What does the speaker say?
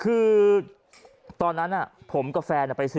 กลับมาพร้อมขอบความ